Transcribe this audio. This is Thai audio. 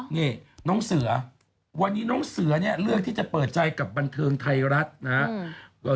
นี่น้องเสือวันนี้น้องเสือเนี่ยเลือกที่จะเปิดใจกับบันเทิงไทยรัฐนะครับ